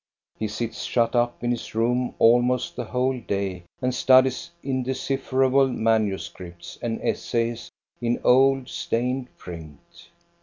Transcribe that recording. He sits shut up in his room almost the whole day and studies indecipherable manuscripts and essays in old, stained print.